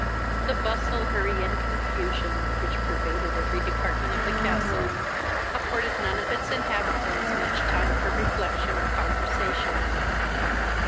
The bustle, hurry, and confusion, which pervaded every department of the castle, afforded non of its inhabitants much time for reflection or conversation.